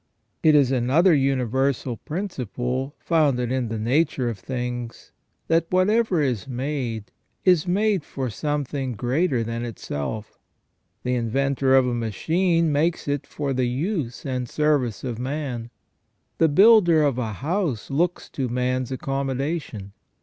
It is another universal principle, founded in the nature of things, that whatever is made, is made for something greater than itself. The inventor of a machine makes it for the 28 WHY MAN IS MADE TO THE IMAGE OF GOD. use and service of man. The builder of a house looks to man's accommodation.